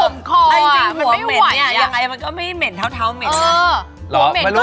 นึกออกไหมมันข่มคออะมันไม่ไหวอะ